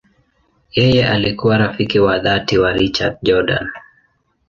Yeye alikuwa rafiki wa dhati wa Richard Jordan.